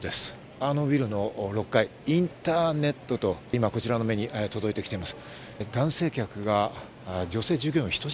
あのビルの６階、インターネットと、今こちらの目に届いてきています。